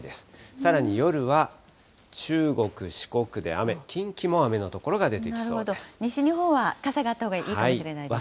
さらに夜は中国、四国で雨、なるほど、西日本は傘があったほうがいいかもしれないですね。